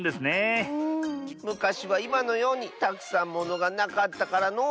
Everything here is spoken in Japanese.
むかしはいまのようにたくさんものがなかったからのう。